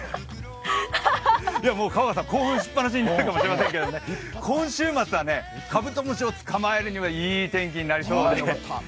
香川さん、興奮しっぱなしになるかもしれないですけど今週末はカブトムシをつかまえるにはいい天気になりそうです。